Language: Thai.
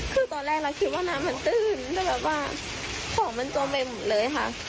คือตอนแรกเราคิดว่าน้ำมันตื้นแต่แบบว่าของมันจมไปหมดเลยค่ะ